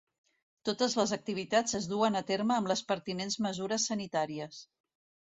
Totes les activitats es duen a terme amb les pertinents mesures sanitàries.